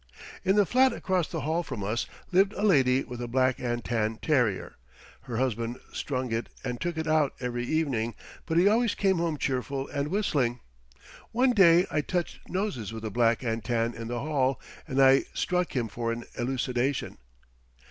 In the flat across the hall from us lived a lady with a black and tan terrier. Her husband strung it and took it out every evening, but he always came home cheerful and whistling. One day I touched noses with the black and tan in the hall, and I struck him for an elucidation.